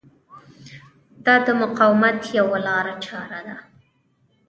دا د مقاومت یوه لارچاره ده.